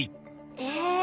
え！